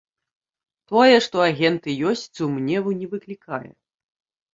Тое, што агенты ёсць, сумневу не выклікае.